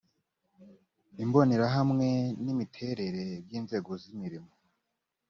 imbonerahamwe n imiterere by inzego z imirimo